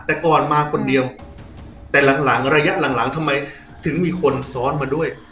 แต่ก่อนมาคนเดียวแต่หลังหลังระยะหลังหลังทำไมถึงมีคนซ้อนมาด้วย